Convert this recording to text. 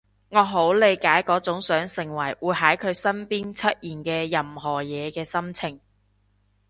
我好理解嗰種想成為會喺佢身邊出現嘅任何嘢嘅心情